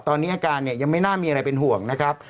ตอนนี้อาการเนี่ยยังไม่น่ามีอะไรเป็นห่วงนะครับ